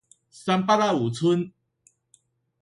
三八甲有賰